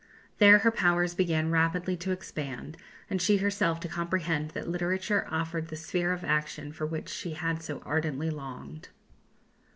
There her powers began rapidly to expand, and she herself to comprehend that literature offered the sphere of action for which she had so ardently longed.